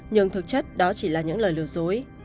nhưng thực chất đó chỉ là những lời lừa dối